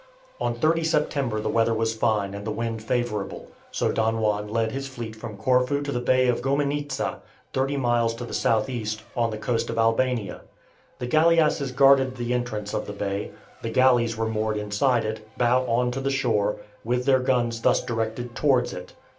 On 30 September the weather was fine and the wind favourable, so Don Juan led his fleet from Corfu to the Bay of Gomenizza, thirty miles to the south east, on the coast of Albania. The galeasses guarded the entrance of the bay; the galleys were moored inside it, bow on to the shore, with their guns thus directed towards it.